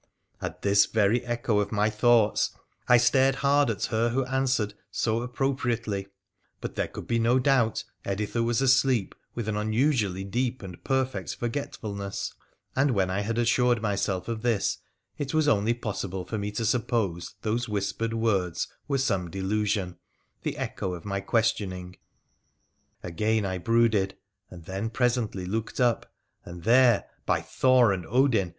' At this very echo of my thoughts I stared hard at her who answered so appropriately, but there could be no doubt Editha was asleep with an unusually deep and perfect forgetfulness, and when I had assured myself of this it was only possible for me to suppose those whispered words were some delusion, the echo of my questioning. Again I brooded, and then presently looked up, and there — ty Thor and Odin